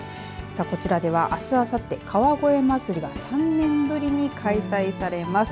さあ、こちらではあす、あさって川越まつりが３年ぶりに開催されます。